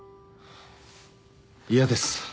嫌です。